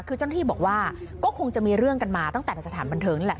คือเจ้าหน้าที่บอกว่าก็คงจะมีเรื่องกันมาตั้งแต่ในสถานบันเทิงนี่แหละ